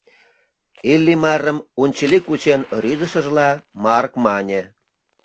— Иллимарым унчыли кучен рӱзышыжла, Марк мане.